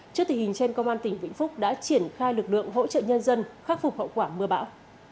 trước tình hình trên công an tỉnh vĩnh phúc đã triển khai lực lượng hỗ trợ nhân dân khắc phục hậu quả mưa bão